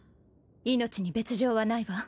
命に別条はないわ。